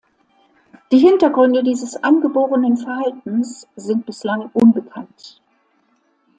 Die Hintergründe dieses angeborenen Verhaltens sind bislang unbekannt.